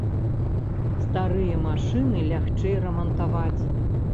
Старыя машыны лягчэй рамантаваць.